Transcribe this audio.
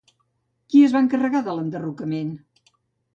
Qui es va encarregar de l'enderrocament?